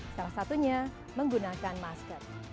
salah satunya menggunakan masker